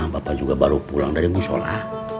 bapak juga baru pulang dari musola